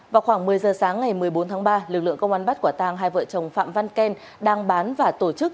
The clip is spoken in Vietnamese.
vào khoảng một mươi giờ sáng ngày một mươi bốn tháng ba lực lượng công an bắt quả tàng hai vợ chồng phạm văn ken đang bán và tổ chức